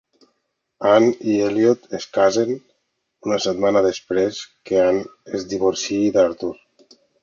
Anne i Eliot es casen una setmana després que Anne es divorciï d'Arthur.